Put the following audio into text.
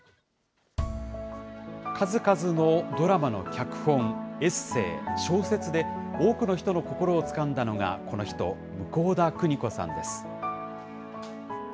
数々のドラマの脚本、エッセー、小説で多くの人の心をつかんだのが、この人、向田邦子さんです。